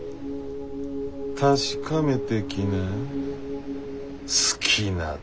確かめてきな。